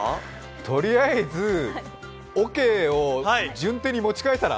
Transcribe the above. とりあえず、おけを順手に持ち替えたら？